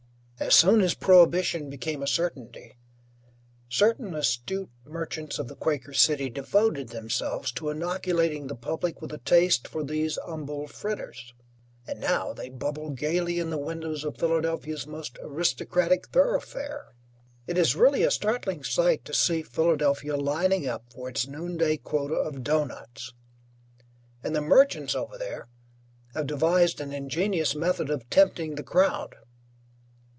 As soon as prohibition became a certainty, certain astute merchants of the Quaker City devoted themselves to inoculating the public with a taste for these humble fritters, and now they bubble gayly in the windows of Philadelphia's most aristocratic thoroughfare. It is really a startling sight to see Philadelphia lining up for its noonday quota of doughnuts, and the merchants over there have devised an ingenious method of tempting the crowd.